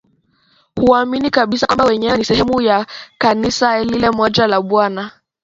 huamini kabisa kwamba wenyewe ni sehemu ya Kanisa lile moja la Bwana